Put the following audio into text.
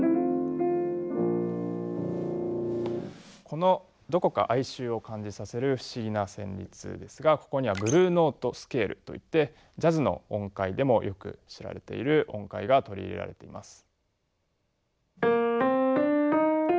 このどこか哀愁を感じさせる不思議な旋律ですがここにはブルーノート・スケールといってジャズの音階でもよく知られている音階が取り入れられています。